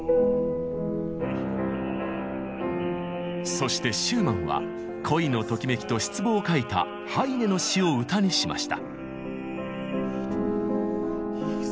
そしてシューマンは恋のときめきと失望を書いたハイネの詩を歌にしました。